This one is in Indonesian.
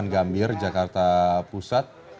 delapan gambir jakarta pusat